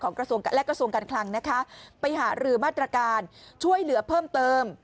ของกระทรวงการคลังมาหาหรือมาตรการช่วยเหลือเพิ่มเติม